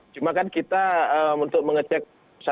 cuma kan kita untuk mengecek satu persatu itu tetap bisa harus manual